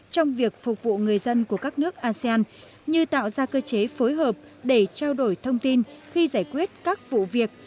trong việc phục vụ người dân của các nước asean như tạo ra cơ chế phối hợp để trao đổi thông tin khi giải quyết các vụ việc